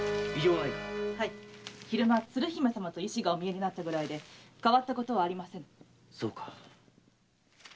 はい鶴姫様と医師がお見えになったぐらいで変わったことはありません。